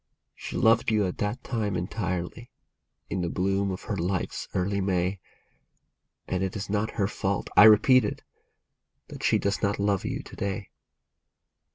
She loved you at that time entirely, in the bloom of her life's early May, And it is not her fault, I repeat it, that she does not love you to day.